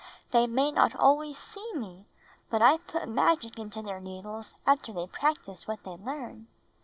They may not always see me, but I put magic into their needles after they practice what they learn.